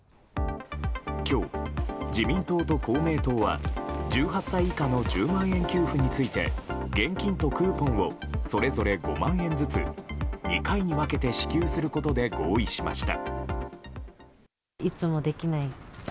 今日、自民党と公明党は１８歳以下の１０万円給付について現金とクーポンをそれぞれ５万円ずつ２回に分けて支給することで合意しました。